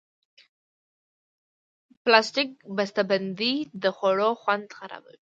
پلاستيکي بستهبندۍ د خوړو خوند خرابوي.